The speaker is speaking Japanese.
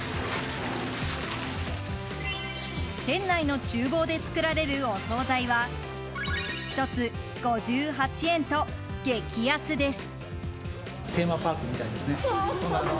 店内の厨房で作られるお総菜は１つ５８円と激安です。